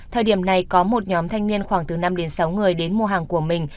thời điểm này có một nhóm thanh niên khoảng từ năm đến sáu người đến mua hàng của mình